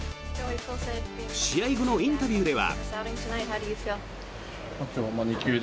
試合後のインタビューでは。